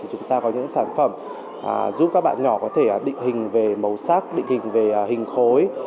chúng ta có những sản phẩm giúp các bạn nhỏ có thể định hình về màu sắc định hình về hình khối